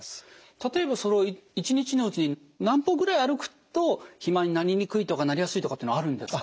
例えば一日のうちに何歩ぐらい歩くと肥満になりにくいとかなりやすいとかってあるんですか？